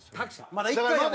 まだ１回やもんね。